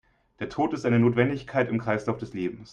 Der Tod ist eine Notwendigkeit im Kreislauf des Lebens.